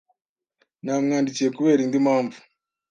Namwandikiye kubera indi mpamvu.